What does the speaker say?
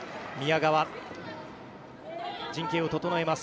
陣形を整えます。